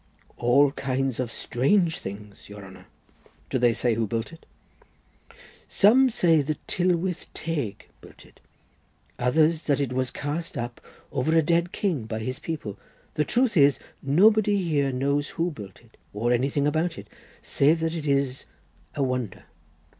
"All kinds of strange things, your honour." "Do they say who built it?" "Some say the Tylwyth Teg built it, others that it was cast up over a dead king by his people. The truth is, nobody here knows who built it, or anything about it, save that it is a wonder.